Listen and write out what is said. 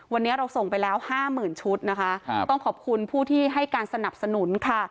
วันนี้เราส่งไปแล้วห้าหมื่นชุดนะคะต้องขอบคุณผู้ที่ให้การสนับสนุนค่ะ